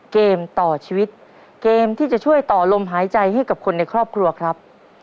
เกมต่อชีวิตเกมที่จะช่วยต่อลมหายใจให้กับคนในครอบครัวครับ